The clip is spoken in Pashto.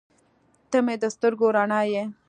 • ته مې د سترګو رڼا یې.